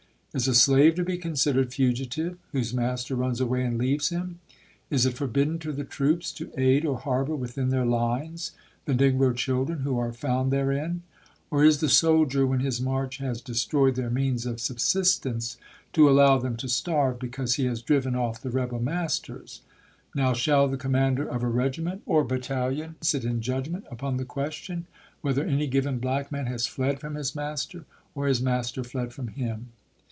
... Is a slave to be considered fugitive whose master runs away and leaves him? Is it forbidden to the troops to aid or harbor within their lines the negro children who are found therein, or is the soldier, when his march has destroyed their means of subsistence, to allow them to starve be cause he has driven off the rebel masters f Now, shall the commander of a regiment or battalion sit in judgment upon the question, whether any given black man has fled from his master, or his master fled from him?